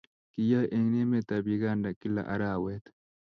kiyae en emet ab Uganda kila arawet